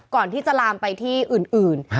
ก่อนที่จะลามไปที่อื่น